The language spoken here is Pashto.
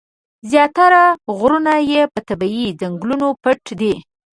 زیاتره غرونه یې په طبیعي ځنګلونو پټ دي.